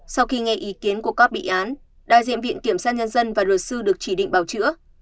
sau khi nghe ý kiến của các bị án đại diện viện kiểm sát nhân dân và luật sư được chỉ định bảo chữa